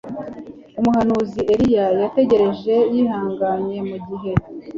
Umuhanzi Eliya yategereje yihanganye mu gihe